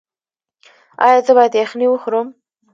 ایا زه باید یخني وخورم؟